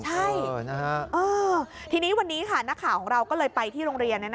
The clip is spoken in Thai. ใช่ทีนี้วันนี้ค่ะนักข่าวของเราก็เลยไปที่โรงเรียน